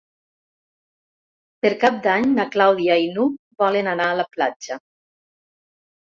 Per Cap d'Any na Clàudia i n'Hug volen anar a la platja.